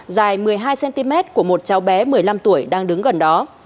dài một mươi hai cm của một cháu bé một mươi năm tuổi đang đứng gần đó